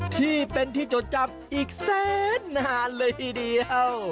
ที่เป็นที่จดจำอีกแสนนานเลยทีเดียว